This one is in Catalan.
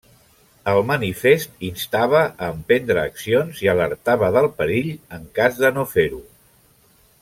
El manifest instava a emprendre accions i alertava del perill en cas de no fer-ho.